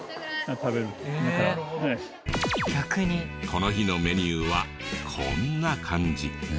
この日のメニューはこんな感じ。